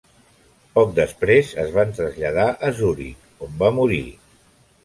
Poc després es van traslladar a Zuric, on va morir.